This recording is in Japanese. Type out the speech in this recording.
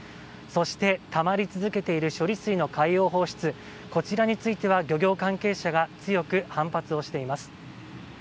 そして、たまり続けている処理水の海洋放出については漁業関係者が強く反発をしています。